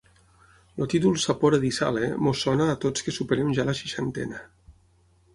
El títol "Sapore di sale" ens "sona" a tots que superem ja la seixantena.